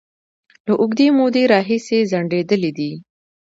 له اوږدې مودې راهیسې ځنډيدلې دي